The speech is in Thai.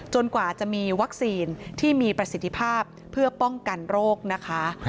กว่าจะมีวัคซีนที่มีประสิทธิภาพเพื่อป้องกันโรคนะคะ